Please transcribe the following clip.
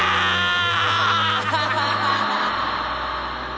アハハハハ。